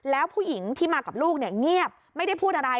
แล้วผู้หญิงที่มากับลูกเนี่ยเงียบไม่ได้พูดอะไร